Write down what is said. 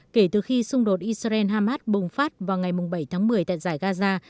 kể từ khi xung đột israel hamas bùng phát vào ngày bảy tháng một mươi tại giải gaza